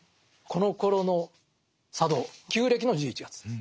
このころの佐渡旧暦の１１月です。